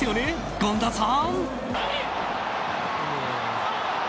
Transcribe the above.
権田さん。